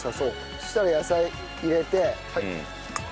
そしたら野菜入れて。